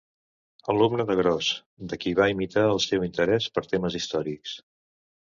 Alumne de Gros, de qui va imitar el seu interès per temes històrics.